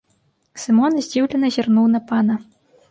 Сымон здзіўлена зірнуў на пана.